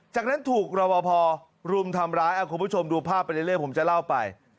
จากนั้นถูกรอบพอรุมทำร้ายคุณผู้ชมดูภาพไปเรื่อยผมจะเล่าไป